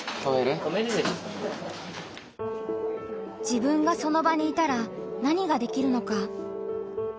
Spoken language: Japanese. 自分がその場にいたら何ができるのか。